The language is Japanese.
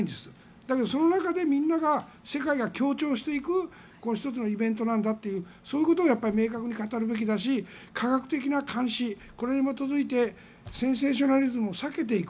でもその中でみんなが、世界が協調していく１つのイベントなんだということを明確に語るべきだし科学的な監視、これに基づいてセンセーショナリズムを避けていく。